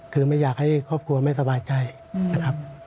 คือไม่อยากให้ครอบครัวไม่สบายใจนะครับ